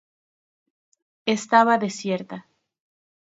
Estaba desierta.